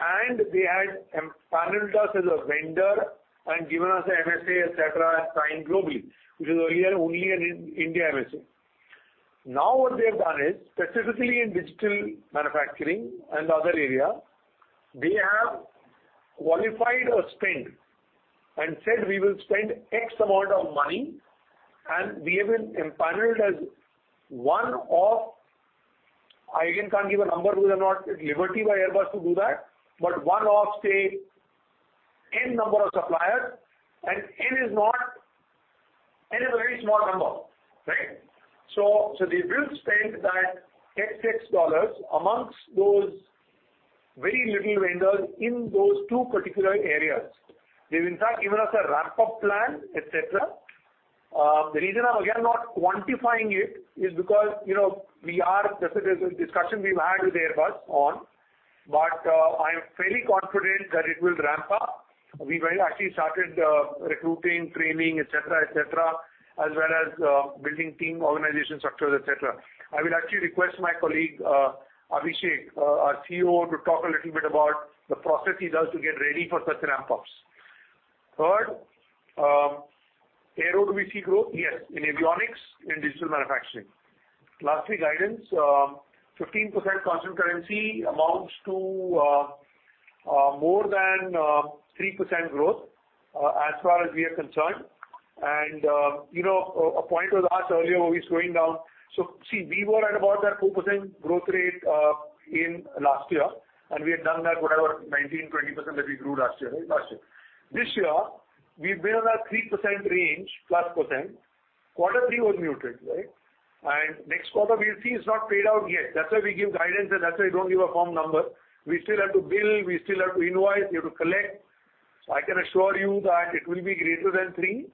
Speaker 3: and they had empaneled us as a vendor and given us an MSA et cetera, and signed globally, which was earlier only an In-India MSA. What they have done is, specifically in digital manufacturing and other area, they have qualified our spend and said we will spend X amount of money, and we have been empaneled as one of. I again can't give a number because I'm not at liberty by Airbus to do that. One of, say, N number of suppliers, and N is a very small number, right? They will spend that $X amongst those very little vendors in those two particular areas. They've in fact given us a ramp-up plan, et cetera. The reason I'm again not quantifying it is because, you know, we are That's a discussion we've had with Airbus on. I am fairly confident that it will ramp up. We've actually started recruiting, training, et cetera, et cetera, as well as building team organization structures, et cetera. I will actually request my colleague, Abhishek, our COO, to talk a little bit about the process he does to get ready for such ramp-ups. Third, Aero to be C growth. Yes, in avionics, in digital manufacturing. Lastly, guidance. 15% constant currency amounts to more than 3% growth as far as we are concerned. You know, a point was asked earlier, are we slowing down? See, we were at about that 4% growth rate in last year, and we had done that whatever 19%, 20% that we grew last year, right? Last year. This year, we've been on that 3% range, plus percent. Q3 was muted, right? Next quarter we'll see, it's not paid out yet. That's why we give guidance, and that's why we don't give a firm number. We still have to bill, we still have to invoice, we have to collect. I can assure you that it will be greater than three.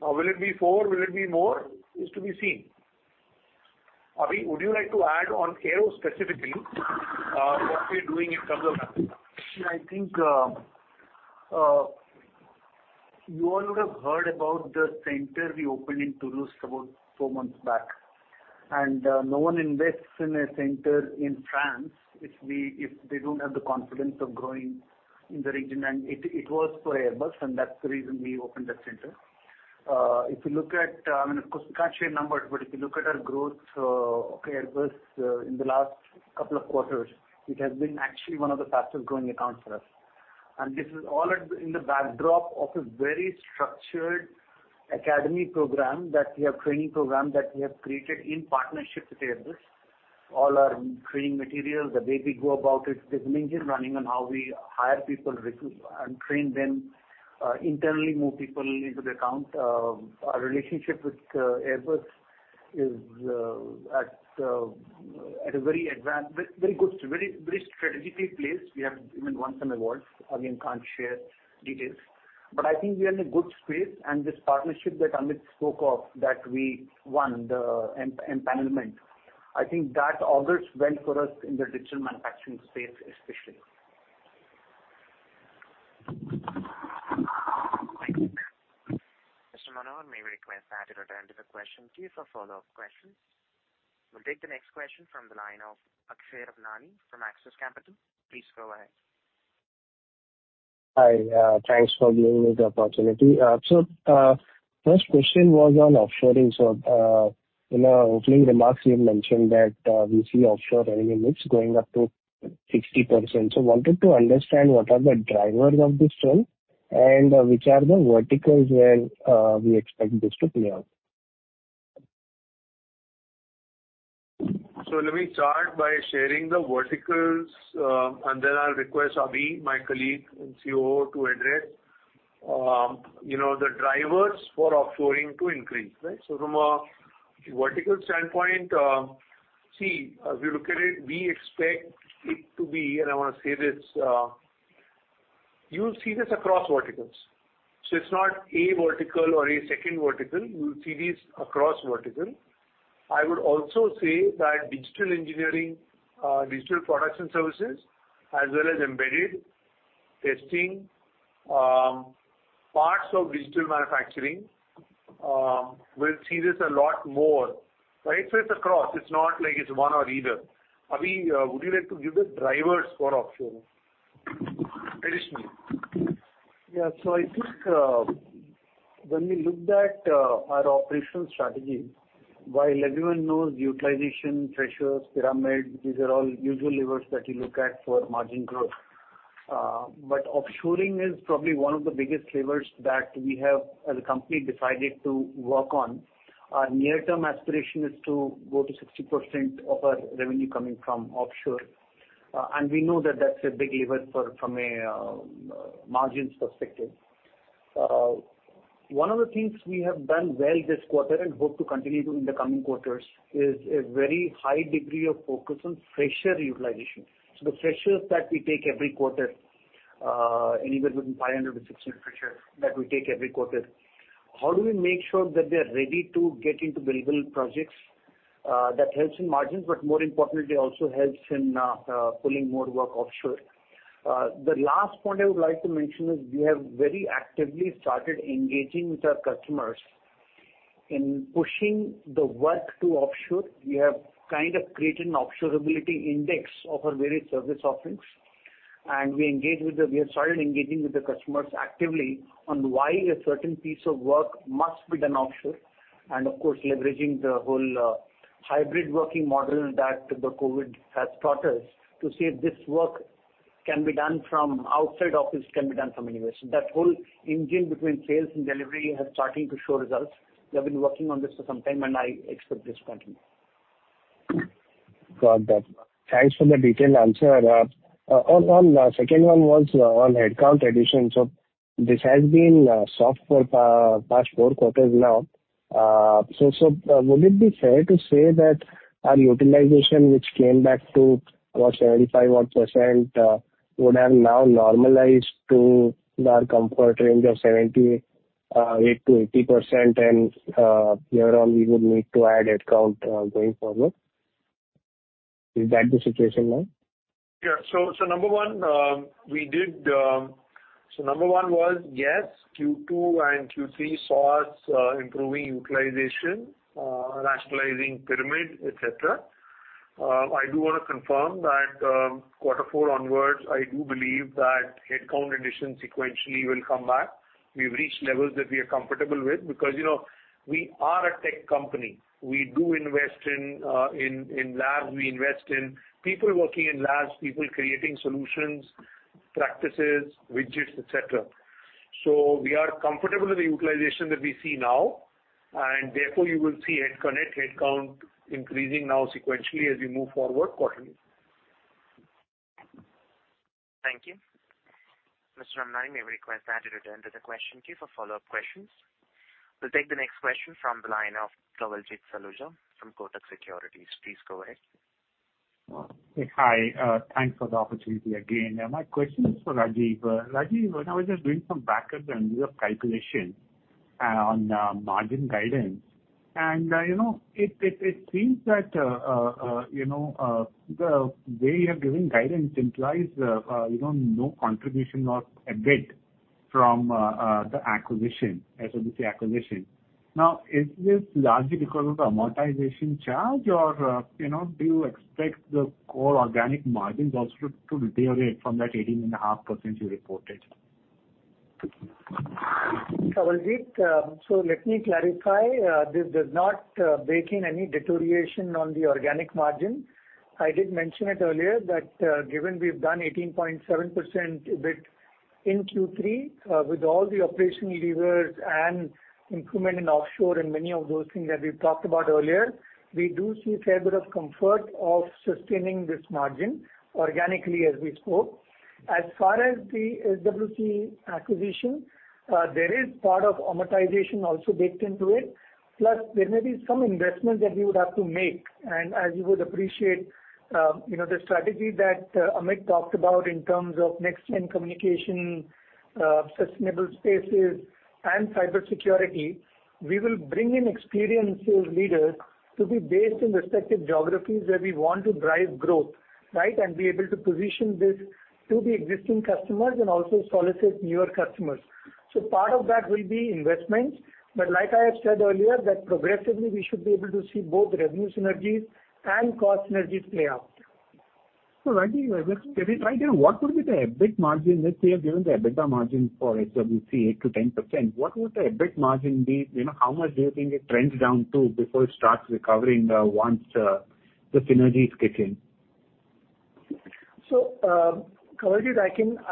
Speaker 3: Will it be four? Will it be more? Is to be seen. Abhi, would you like to add on Aero specifically, what we're doing in terms of ramp-up?
Speaker 12: Sure. I think, you all would have heard about the center we opened in Toulouse about four months back. No one invests in a center in France if they don't have the confidence of growing in the region. It was for Airbus, and that's the reason we opened that center. If you look at, I mean, of course, we can't share numbers, but if you look at our growth of Airbus in the last couple of quarters, it has been actually one of the fastest growing accounts for us. This is all in the backdrop of a very structured academy program that we have, training program that we have created in partnership with Airbus. All our training materials, the way we go about it, there's an engine running on how we hire people, recruit, and train them, internally move people into the account. Our relationship with Airbus is at a very advanced, very good, very strategically placed. We have even won some awards. Again, can't share details. I think we are in a good space. This partnership that Amit spoke of, that we won the empanelment, I think that augurs well for us in the digital manufacturing space, especially.
Speaker 3: Thank you.
Speaker 1: Mr. Manohar, may we request that you return to the question queue for follow-up questions. We'll take the next question from the line of Akshay Rathi from Axis Capital. Please go ahead.
Speaker 13: Hi. Thanks for giving me the opportunity. First question was on offshoring. In our opening remarks, you had mentioned that we see offshore revenue mix going up to 60%. Wanted to understand what are the drivers of this trend and which are the verticals where we expect this to play out.
Speaker 3: Let me start by sharing the verticals, and then I'll request Abhi, my colleague and COO, to address, you know, the drivers for offshoring to increase, right? From a vertical standpoint, see, as we look at it, we expect it to be, and I wanna say this, you'll see this across verticals. It's not a vertical or a second vertical. You'll see this across vertical. I would also say that digital engineering, digital products and services, as well as embedded testing, parts of digital manufacturing, we'll see this a lot more, right? It's across, it's not like it's one or either. Abhi, would you like to give the drivers for offshoring? Additionally.
Speaker 12: I think, when we looked at our operational strategy, while everyone knows utilization, freshers, pyramid, these are all usual levers that you look at for margin growth. Offshoring is probably one of the biggest levers that we have as a company decided to work on. Our near-term aspiration is to go to 60% of our revenue coming from offshore. We know that that's a big lever from a margins perspective. One of the things we have done well this quarter and hope to continue doing in the coming quarters is a very high degree of focus on fresher utilization. The freshers that we take every quarter, anywhere between 500-600 freshers that we take every quarter. How do we make sure that they are ready to get into billable projects, that helps in margins, but more importantly, also helps in pulling more work offshore. The last point I would like to mention is we have very actively started engaging with our customers in pushing the work to offshore. We have kind of created an offshore ability index of our various service offerings, and we have started engaging with the customers actively on why a certain piece of work must be done offshore and of course, leveraging the whole hybrid working model that the COVID has taught us to say this work can be done from outside office, can be done from anywhere. That whole engine between sales and delivery has starting to show results. We have been working on this for some time. I expect this to continue.
Speaker 13: Got that. Thanks for the detailed answer. On the second one was on headcount addition. This has been soft for past 4 quarters now. Would it be fair to say that our utilization, which came back to about +75%, would have now normalized to our comfort range of 78-80%, and here on we would need to add headcount going forward. Is that the situation now?
Speaker 3: Yeah. Number one was, yes, Q2 and Q3 saw us improving utilization, rationalizing pyramid, et cetera. I do wanna confirm that quarter four onwards, I do believe that headcount addition sequentially will come back. We've reached levels that we are comfortable with because, you know, we are a tech company. We do invest in labs. We invest in people working in labs, people creating solutions, practices, widgets, et cetera. We are comfortable with the utilization that we see now, and therefore you will see headcount increasing now sequentially as we move forward quarterly.
Speaker 1: Thank you. Mr. Ramnani, may we request that you return to the question queue for follow-up questions. We'll take the next question from the line of Kawaljeet Saluja from Kotak Securities. Please go ahead.
Speaker 6: Hi. Thanks for the opportunity again. My question is for Rajeev. Rajeev, when I was just doing some backup and re-calculation on margin guidance, and you know, it seems that you know, the way you have given guidance implies you know, no contribution or EBIT from the acquisition, SWC acquisition. Is this largely because of the amortization charge or you know, do you expect the core organic margins also to deteriorate from that 18.5% you reported?
Speaker 4: Kawaljeet, let me clarify. This does not bake in any deterioration on the organic margin. I did mention it earlier that, given we've done 18.7% EBIT in Q3, with all the operational levers and improvement in offshore and many of those things that we've talked about earlier, we do see a fair bit of comfort of sustaining this margin organically as we spoke. As far as the SWC acquisition, there is part of amortization also baked into it. Plus there may be some investments that we would have to make. As you would appreciate, you know, the strategy that Amit talked about in terms of next-gen communication, sustainable spaces and cybersecurity, we will bring in experienced sales leaders to be based in respective geographies where we want to drive growth, right, and be able to position this to the existing customers and also solicit newer customers. Part of that will be investments, but like I have said earlier, that progressively we should be able to see both revenue synergies and cost synergies play out.
Speaker 6: Rajeev, just clarify what would be the EBIT margin that we have given the EBITDA margin for SWC 8%-10%. What would the EBIT margin be? You know, how much do you think it trends down to before it starts recovering, once the synergies kick in?
Speaker 4: Kawaljeet, I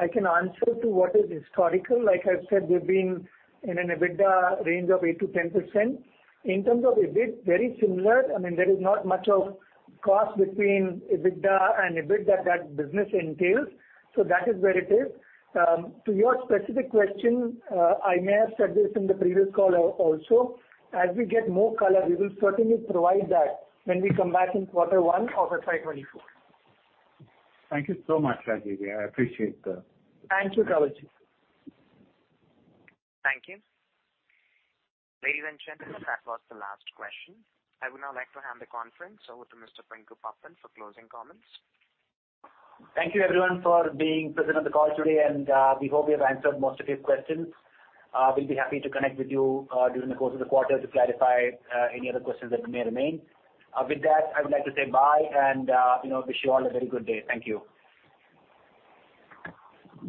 Speaker 4: can answer to what is historical. Like I've said, we've been in an EBITDA range of 8%-10%. In terms of EBIT, very similar. I mean, there is not much of cost between EBITDA and EBIT that business entails. That is where it is. To your specific question, I may have said this in the previous call also. As we get more color, we will certainly provide that when we come back in Q1 of FY 2024.
Speaker 6: Thank you so much, Rajeev. I appreciate.
Speaker 4: Thank you, Kawaljeet.
Speaker 1: Thank you. Ladies and gentlemen, that was the last question. I would now like to hand the conference over to Mr. Pinku Pappan for closing comments.
Speaker 2: Thank you everyone for being present on the call today. We hope we have answered most of your questions. We'll be happy to connect with you during the course of the quarter to clarify any other questions that may remain. I would like to say bye and, you know, wish you all a very good day. Thank you.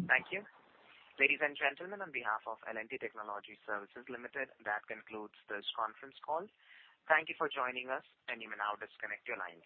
Speaker 1: Thank you. Ladies and gentlemen, on behalf of L&T Technology Services Limited, that concludes this conference call. Thank you for joining us, and you may now disconnect your lines.